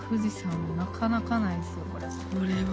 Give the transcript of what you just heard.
これは。